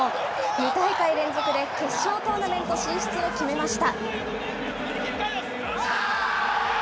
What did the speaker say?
２大会連続で決勝トーナメント進出を決めました。